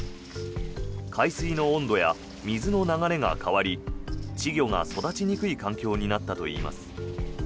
海水の温度や水の流れが変わり稚魚が育ちにくい環境になったといいます。